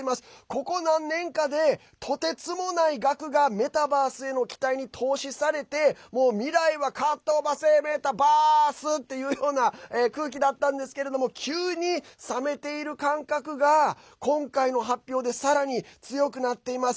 ここ何年かで、とてつもない額がメタバースへの期待に投資されて未来はかっ飛ばせメタバース！っていうような空気だったのが急に冷めている感覚が今回の発表でさらに強くなっています。